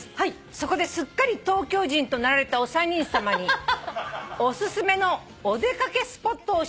「そこですっかり東京人となられたお三人さまにお勧めのお出掛けスポットを教えていただきたいと思います」